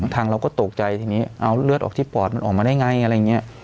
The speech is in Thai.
ทางเราก็ตกใจทีนี้เอาเลือดออกที่ปอดมันออกมาได้ไงอะไรอย่างนี้